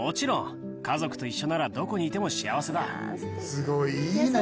すごいいいね！